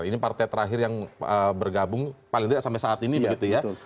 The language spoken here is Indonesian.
ini partai terakhir yang bergabung paling tidak sampai saat ini begitu ya